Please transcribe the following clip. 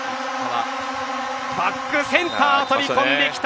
バック、センター飛び込んできた。